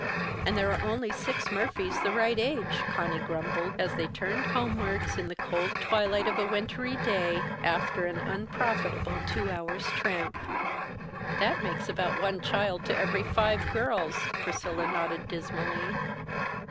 "And there are only six Murphys the right age," Conny grumbled, as they turned homewards in the cold twilight of a wintry day, after an unprofitable two hours' tramp. "That makes about one child to every five girls," Priscilla nodded dismally.